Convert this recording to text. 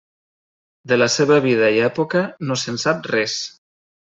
De la seva vida i època no se'n sap res.